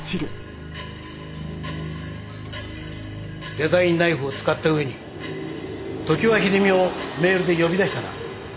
デザインナイフを使った上に常盤秀美をメールで呼び出したな。